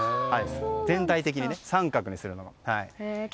全体的に三角にするのが。